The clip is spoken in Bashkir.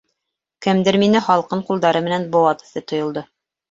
Кемдер мине һалҡын ҡулдары менән быуа төҫлө тойолдо: